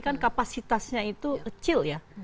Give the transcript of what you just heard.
kan kapasitasnya itu kecil ya